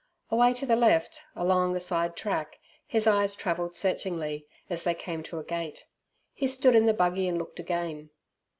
Away to the left along a side track his eyes travelled searchingly, as they came to a gate. He stood in the buggy and looked again.